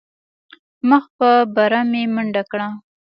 مخ په بره مې منډه کړه.